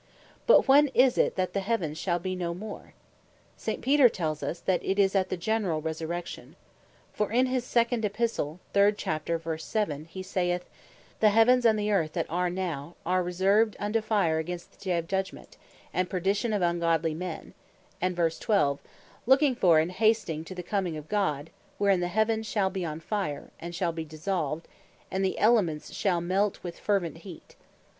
But when is it, that the heavens shall be no more? St. Peter tells us, that it is at the generall Resurrection. For in his 2. Epistle, 3. Chapter, and 7. verse, he saith, that "the Heavens and the Earth that are now, are reserved unto fire against the day of Judgment, and perdition of ungodly men," and (verse 12.) "looking for, and hasting to the comming of God, wherein the Heavens shall be on fire, and shall be dissolved, and the Elements shall melt with fervent heat.